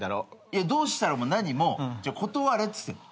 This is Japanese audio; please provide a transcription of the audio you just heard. いやどうしたらも何も断れっつってんの。